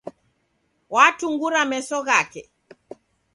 Watungura meso ghake.